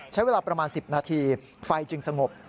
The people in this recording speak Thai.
ใช้เวลาประมาณ๑๐นาทีไฟจึงสงบ